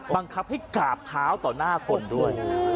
บังคับให้กราบเท้าต่อหน้าคนด้วย